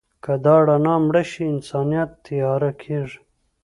که دا رڼا مړه شي، انسانیت تیاره کېږي.